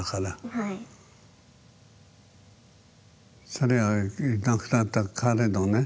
それが亡くなった彼のね